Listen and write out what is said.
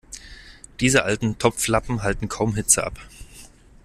Diese alten Topflappen halten kaum Hitze ab.